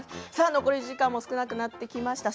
残り時間も少なくなってきました。